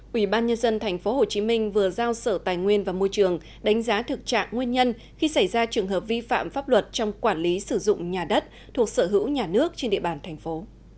quỹ ban nhân dân tp hcm vừa giao sở tài nguyên và môi trường đánh giá thực trạng nguyên nhân khi xảy ra trường hợp vi phạm pháp luật trong quản lý sử dụng nhà đất thuộc sở hữu nhà nước trên địa bàn thành phố